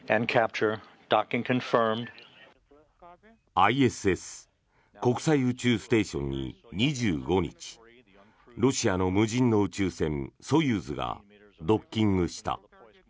ＩＳＳ・国際宇宙ステーションに２５日ロシアの無人の宇宙船ソユーズがドッキングした。